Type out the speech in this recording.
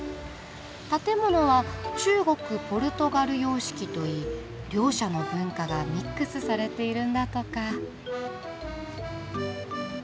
建物は中国ポルトガル様式といい両者の文化がミックスされているんだとか。